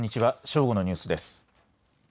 正午のニュースです。